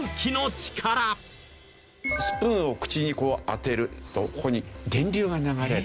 スプーンを口に当てるとここに電流が流れる。